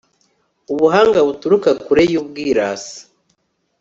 ubuhanga butura kure y'ubwirasi